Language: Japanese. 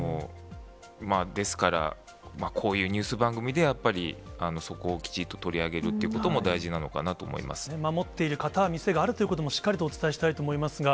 ですから、こういうニュース番組でやっぱりそこをきちっと取り上げるということも、大事なのかな守っている方、店があるということも、しっかりとお伝えしたいと思いますが。